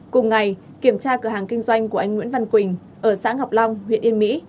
cùng ngày kiểm tra cửa hàng kinh doanh của anh nguyễn văn quỳnh ở xã ngọc long huyện yên mỹ